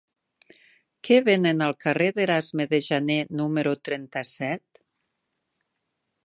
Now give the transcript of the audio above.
Què venen al carrer d'Erasme de Janer número trenta-set?